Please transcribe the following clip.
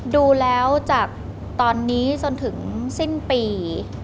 ดูแล้วจากตอนนี้จนถึงสิ้นปี